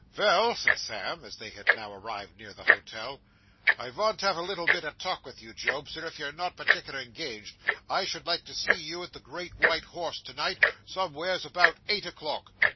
'Vell,' said Sam, as they had now arrived near the hotel, 'I vant to have a little bit o' talk with you, Job; so if you're not partickler engaged, I should like to see you at the Great White Horse to night, somewheres about eight o'clock.